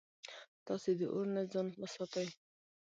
تاسي د اور نه ځان وساتئ